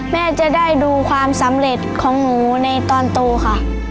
แม่จะได้ดูความสำเร็จของหนูในตอนโตค่ะ